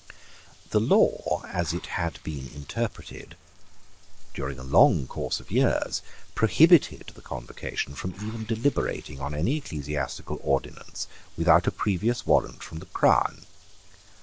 The law, as it had been interpreted during a long course of years, prohibited the Convocation from even deliberating on any ecclesiastical ordinance without a previous warrant from the Crown.